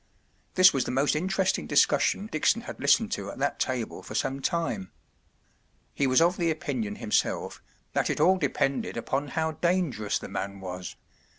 This was the most interesting discussion Dickson had listened to at that table for some time. He was of the opinion himself that it all depended upon how dangerous the man was.